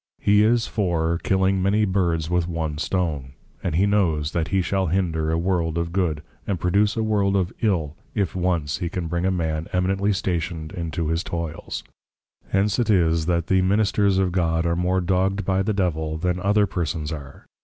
He is for, Killing many Birds with one stone; and he knows that he shall hinder a world of Good, and produce a world of Ill, if once he can bring a Man Eminently Stationed into his Toyls. Hence 'tis that the Ministers of God, are more dogg'd by the Devil, than other persons are.